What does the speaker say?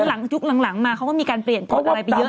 จริงยุคหลังมาเขาก็มีการเปลี่ยนปิดออกอะไรไปเยอะแหลว